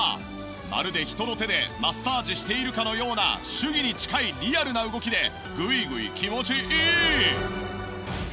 まるで人の手でマッサージしているかのような手技に近いリアルな動きでグイグイ気持ちいい！